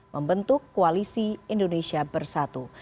membentuk koalisi indonesia bersatu